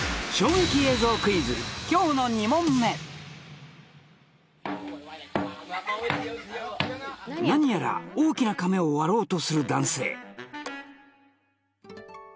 今日の２問目何やら大きな甕を割ろうとする男性